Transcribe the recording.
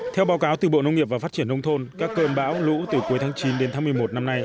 theo báo cáo từ bộ nông nghiệp và phát triển nông thôn các cơn bão lũ từ cuối tháng chín đến tháng một mươi một năm nay